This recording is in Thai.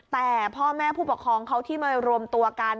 แต่พ่อแม่ผู้ปกครองเขาที่มารวมตัวกัน